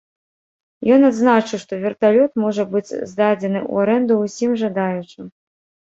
Ён адзначыў, што верталёт можа быць здадзены ў арэнду ўсім жадаючым.